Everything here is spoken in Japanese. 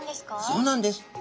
そうなんです。